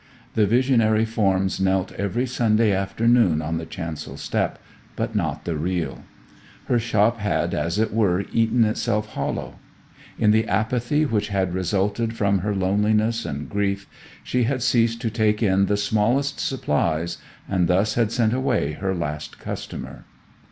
The visionary forms knelt every Sunday afternoon on the chancel step, but not the real. Her shop had, as it were, eaten itself hollow. In the apathy which had resulted from her loneliness and grief she had ceased to take in the smallest supplies, and thus had sent away her last customer.